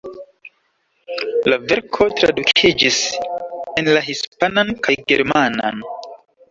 La verko tradukiĝis en la hispanan kaj germanan.